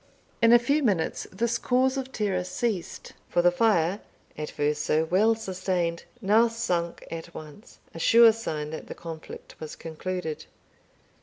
In a few minutes this cause of terror ceased, for the fire, at first so well sustained, now sunk at once a sure sign that the conflict was concluded.